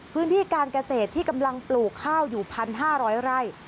พื้นที่การเกษตรที่กำลังปลูกข้าวอยู่๑๕๐๐ไร่